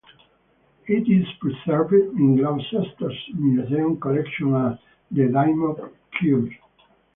It is preserved in Gloucester's museum collection as "The Dymock Curse".